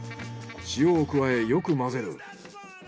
塩を加えよく混ぜる。